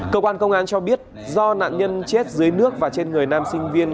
cơ quan công an cho biết do nạn nhân chết dưới nước và trên người nam sinh viên